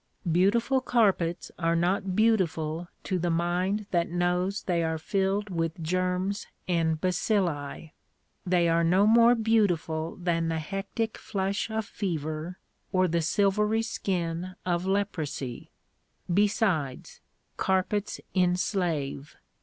Beautiful carpets are not beautiful to the mind that knows they are filled with germs and bacilli. They are no more beautiful than the hectic flush of fever, or the silvery skin of leprosy. Besides, carpets enslave.